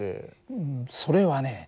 うんそれはね